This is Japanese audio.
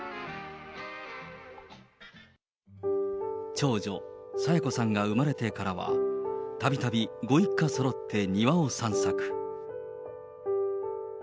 長女、清子さんが産まれてからは、たびたびご一家そろって庭を散策。